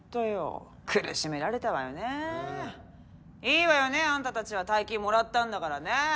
いいわよねあんたたちは大金もらったんだからね！